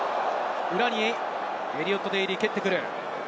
裏にエリオット・デイリーが蹴ってくる。